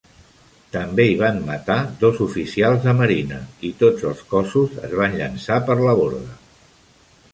També hi van matar dos oficials de marina i tots els cossos es van llençar per la borda.